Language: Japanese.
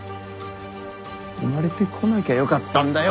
生まれてこなきゃよかったんだよ